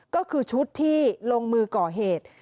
ก็คือชุดที่ลงมือก่อเหตุ